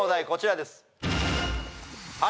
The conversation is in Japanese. こちらです